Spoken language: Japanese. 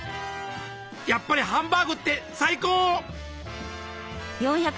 やっぱりハンバーグってサイコー！